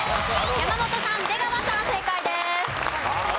山本さん出川さん正解です。